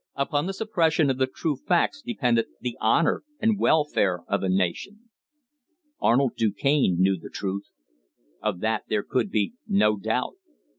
Upon the suppression of the true facts depended the honour and welfare of a nation. Arnold Du Cane knew the truth. Of that, there could be no doubt.